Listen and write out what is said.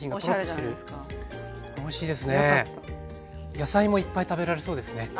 野菜もいっぱい食べられそうですね。